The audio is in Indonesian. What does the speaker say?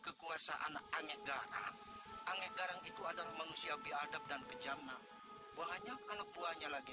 kekuasaan anegara anegara itu adalah manusia biadab dan kejam nah buahnya anak buahnya lagi